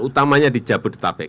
utamanya di jabodetabek